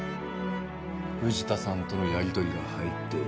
藤田さんとのやり取りが入ってる。